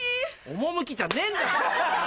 「趣」じゃねえんだよ！